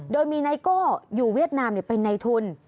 โดยมีไนโก้อยู่เวียดนามเป็นในทุน